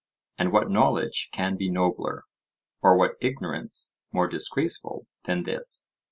And what knowledge can be nobler? or what ignorance more disgraceful than this?